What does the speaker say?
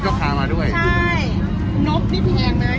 เพราะว่าความซื้อไม่มีปัญหา